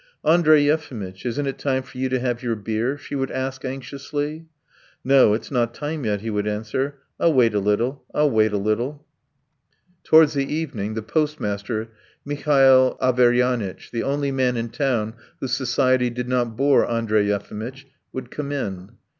"Andrey Yefimitch, isn't it time for you to have your beer?" she would ask anxiously. "No, it's not time yet ..." he would answer. "I'll wait a little .... I'll wait a little. .." Towards the evening the postmaster, Mihail Averyanitch, the only man in town whose society did not bore Andrey Yefimitch, would come in.